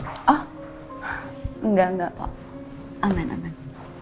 oh enggak enggak kok aman aman